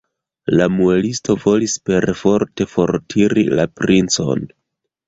La muelisto volis perforte fortiri la princon.